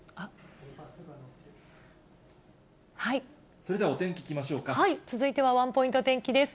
それではお天気いきましょう続いてはワンポイント天気です。